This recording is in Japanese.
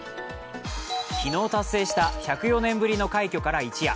昨日達成した１０４年ぶりの快挙から一夜。